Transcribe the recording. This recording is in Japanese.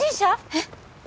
えっ？